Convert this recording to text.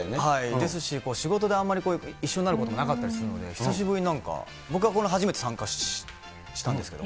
ですし、仕事であんまり一緒になることなかったりするので、久しぶりになんか、僕は初めて参加したんですけど。